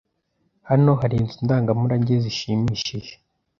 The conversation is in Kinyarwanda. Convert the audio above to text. Hano hari inzu ndangamurage zishimishije